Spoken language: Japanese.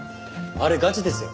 あれガチですよ。